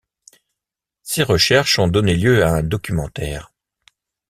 Ses recherches ont donné lieu a un documentaire.